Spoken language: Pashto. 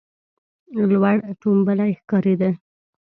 لور ټومبلی ښکارېده.